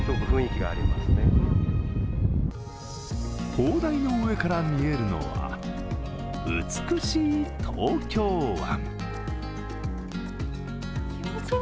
砲台の上から見えるのは美しい東京湾。